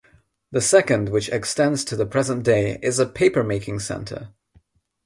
The second, which extends to the present day, is as a papermaking center.